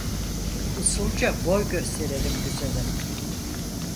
Usulca boy gösterelim güzele.